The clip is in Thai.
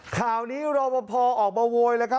ข่าวนี้รอปภออกมาโวยเลยครับ